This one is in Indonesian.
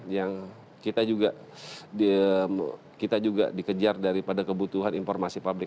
yang kita juga dikejar daripada kebutuhan informasi publik